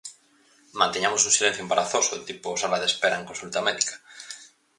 Mantiñamos un silencio embarazoso, tipo sala de espera en consulta médica.